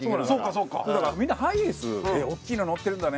だからみんなハイエース「大きいの乗ってるんだね」